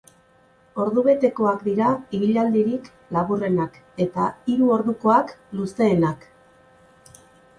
Ordu betekoak dira ibilaldirik laburrenak eta hiru ordukoak luzeenak.